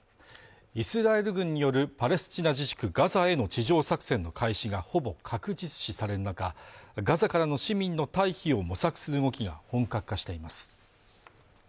イスラエル軍によるパレスチナ自治区ガザへの地上作戦の開始がほぼ確実視される中ガザからの市民の退避を模索する動きが本格化しています